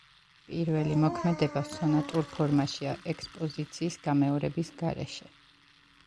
პირველი მოქმედება სონატურ ფორმაშია, ექსპოზიციის გამეორების გარეშე.